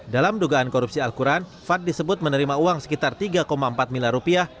dalam dugaan korupsi al quran fad disebut menerima uang sekitar tiga empat miliar rupiah